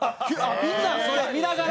みんなそれ見ながら？